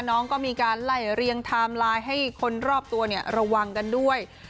น้องก็มีการไล่เรียงไทม์ไลน์ให้คนรอบตัวระวังกันด้วย